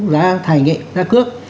giá thải nghệ giá cước